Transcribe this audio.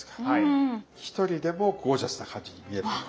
１人でもゴージャスな感じに見える餃子。